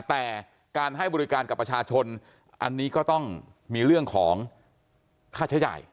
แต่การให้บริการกับประชาชนอันนี้ก็ต้องมีเรื่องของค่าใช้จ่าย